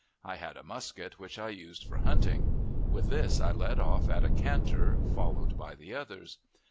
I had a musket which I used for hunting. With this I led off at a canter, followed by the others.